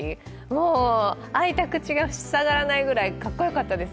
もう、開いた口が塞がらないくらいかっこよかったです。